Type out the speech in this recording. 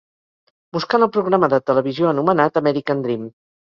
Buscant el programa de televisió anomenat American Dream